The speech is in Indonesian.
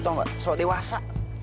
tahu nggak so dewasa